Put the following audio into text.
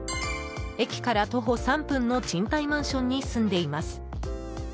駅から徒歩３分の賃貸マンションに住んでいます。